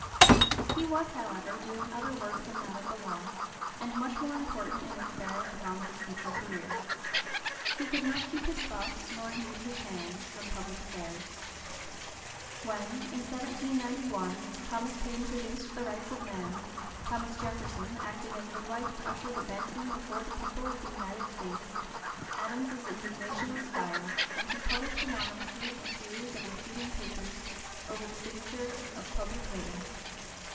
He was, however, doing other work than that of the law, and much more important in its bearing upon his future career. He could not keep his thoughts, nor indeed his hands, from public affairs. When, in 1791, Thomas Paine produced the "Rights of Man," Thomas Jefferson acting as midwife to usher the bantling before the people of the United States, Adams's indignation was fired, and he published anonymously a series of refuting papers over the signature of Publicola.